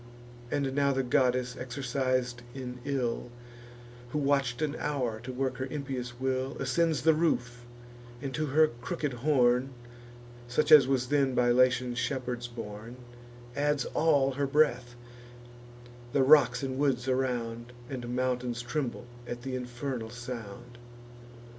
And now the goddess, exercis'd in ill, Who watch'd an hour to work her impious will, Ascends the roof, and to her crooked horn, Such as was then by Latian shepherds borne, Adds all her breath: the rocks and woods around, And mountains, tremble at th' infernal sound.